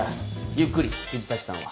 ゆっくり藤崎さんは。